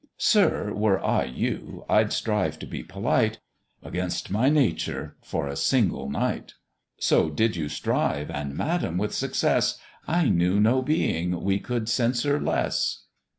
"Sir, were I you, I'd strive to be polite, Against my nature, for a single night." "So did you strive, and, madam! with success; I knew no being we could censure less!"